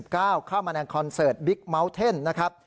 เข้ามาในคอนเซิร์ตบิ๊กเมาท์เทนต์